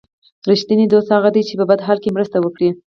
رښتینی دوست هغه دی چې په بد حال کې مرسته وکړي.